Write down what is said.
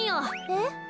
えっ？